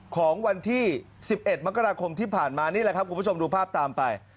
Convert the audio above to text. ของวันที่๑๑มกราคมที่ผ่านมานี่แหละครับคุณผู้ชมดูภาพตามไป